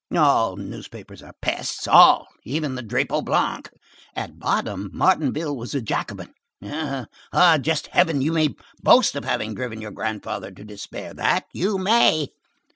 All newspapers are pests; all, even the Drapeau Blanc! At bottom, Martainville was a Jacobin. Ah! just Heaven! you may boast of having driven your grandfather to despair, that you may!"